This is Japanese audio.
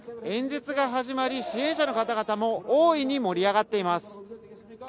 演説が始まり、支援者の方々も大いに盛り上がっています。